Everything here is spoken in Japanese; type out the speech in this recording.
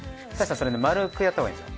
それね丸くやったほうがいいんですよ。